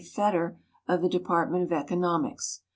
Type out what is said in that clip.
Fetter of the De partment of Economics.